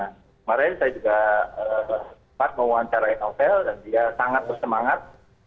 kemarin saya juga sempat mewawancarai novel dan dia sangat bersemangat